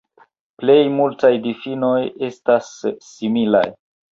Plej multaj difinoj estas similaj.